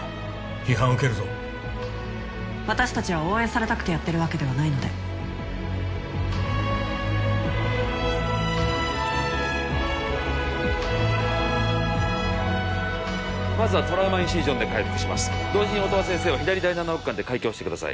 批判を受けるぞ私達は応援されたくてやってるわけではないのでまずはトラウマインシージョンで開腹します同時に音羽先生は左第７肋間で開胸をしてください